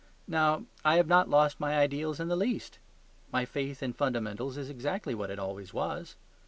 Now, I have not lost my ideals in the least; my faith in fundamentals is exactly what it always was.